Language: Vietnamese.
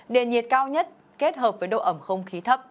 nền nhiệt cao nhất kết hợp với độ ẩm không khí thấp